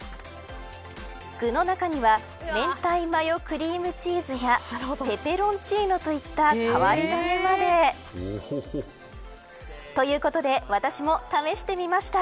具の中には明太マヨクリームチーズやペペロンチーノといった変わり種までということで私も試してみました。